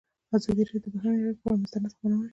ازادي راډیو د بهرنۍ اړیکې پر اړه مستند خپرونه چمتو کړې.